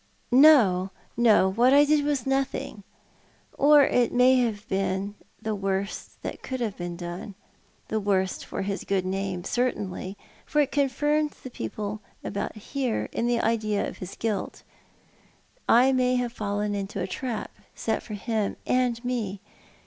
" No, no, what I did was nothing — or it may have been the worst that could have been done — the worst for liis good name, certainly — for it confirmed the people about here in the idea of his guilt. I may have fallen into a trap set for him and me.